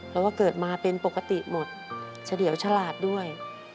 แล้วก็เกิดมาเป็นปกติหมดเฉลี่ยวฉลาดด้วย